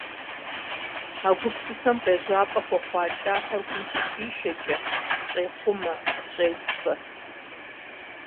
А гупсысэм къежьапӀэ хуэхъуа кӀапэр гум щытришэкӀэ, щӀехъумэ, щӀеуфэ.